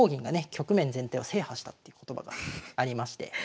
局面全体を制覇したっていう言葉がありまして。